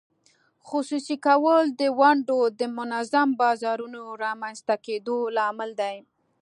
خصوصي کول د ونډو د منظم بازارونو رامینځته کېدو لامل دی.